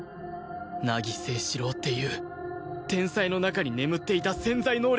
凪誠士郎っていう天才の中に眠っていた潜在能力を